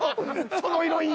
「その色いい！」